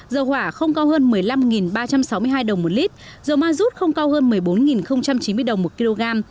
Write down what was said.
dầu hỏa không cao hơn một mươi năm ba trăm sáu mươi hai đồng một lít dầu ma rút không cao hơn một mươi bốn chín mươi đồng một kg